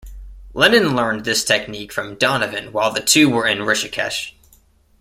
Lennon learned this technique from Donovan while the two were in Rishikesh.